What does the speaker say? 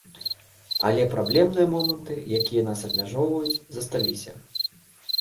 Але праблемныя моманты, якія нас абмяжоўваюць, засталіся.